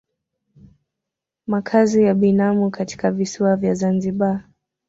Makazi ya binadamu katika visiwa vya Zanzibar